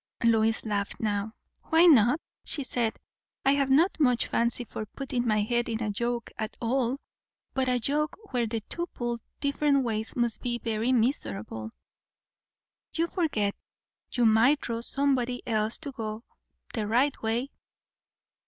Lois laughed now. "Why not?" she said. "I have not much fancy for putting my head in a yoke at all; but a yoke where the two pull different ways must be very miserable!" "You forget; you might draw somebody else to go the right way."